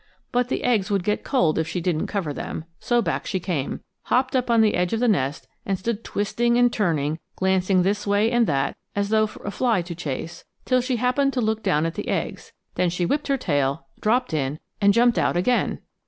But the eggs would get cold if she didn't cover them, so back she came, hopped up on the edge of the nest, and stood twisting and turning, glancing this way and that as though for a fly to chase, till she happened to look down at the eggs; then she whipped her tail, dropped in and jumped out again!